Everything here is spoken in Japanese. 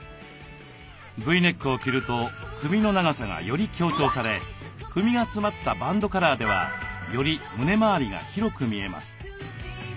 Ｖネックを着ると首の長さがより強調され首が詰まったバンドカラーではより胸回りが広く見えます。